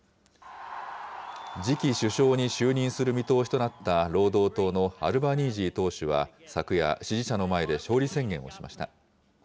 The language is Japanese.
次期首相に就任する見通しとなった労働党のアルバニージー党首は、昨夜、支持者の前で勝利宣言をしました。